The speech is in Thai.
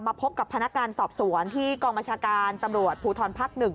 พบกับพนักงานสอบสวนที่กองบัญชาการตำรวจภูทรภักดิ์๑